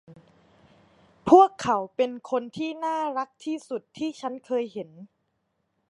พวกเขาเป็นคนที่น่ารักที่สุดที่ฉันเคยเห็น